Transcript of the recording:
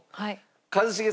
一茂さん